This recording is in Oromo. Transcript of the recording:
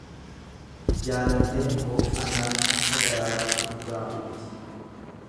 jaalalleen koo anaaf akka daraaraa urgaa'uuti